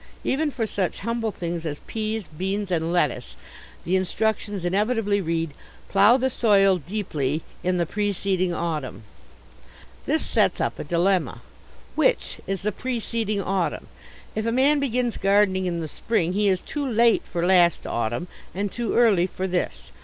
Even for such humble things as peas, beans, and lettuce the instructions inevitably read, "plough the soil deeply in the preceeding autumn." This sets up a dilemma. Which is the preceeding autumn? If a man begins gardening in the spring he is too late for last autumn and too early for this.